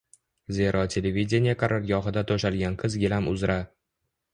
Zero televideniye qarorgohida to‘shalgan qizil gilam uzra